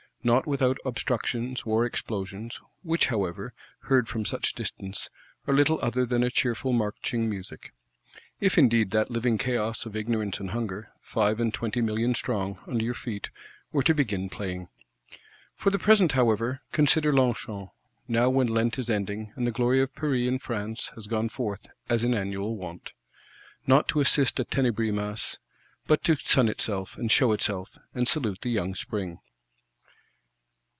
Not without obstructions, war explosions; which, however, heard from such distance, are little other than a cheerful marching music. If indeed that dark living chaos of Ignorance and Hunger, five and twenty million strong, under your feet,—were to begin playing! For the present, however, consider Longchamp; now when Lent is ending, and the glory of Paris and France has gone forth, as in annual wont. Not to assist at Tenebris Masses, but to sun itself and show itself, and salute the Young Spring.